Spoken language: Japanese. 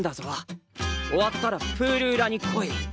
終わったらプールうらに来い。